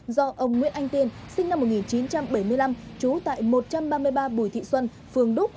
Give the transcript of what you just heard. do ông nguyễn anh tiên sinh năm một nghìn chín trăm bảy mươi năm trú tại một trăm ba mươi ba bùi thị xuân phường đúc